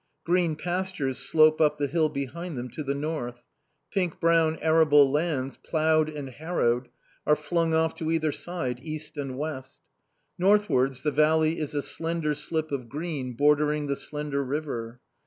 Green pastures slope up the hill behind them to the north; pink brown arable lands, ploughed and harrowed, are flung off to either side, east and west. Northwards the valley is a slender slip of green bordering the slender river.